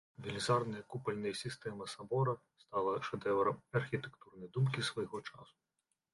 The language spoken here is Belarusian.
Велізарная купальная сістэма сабора стала шэдэўрам архітэктурнай думкі свайго часу.